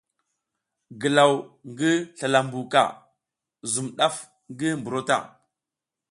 Glaw ngi slala mbuka zum daf ngi buro ta.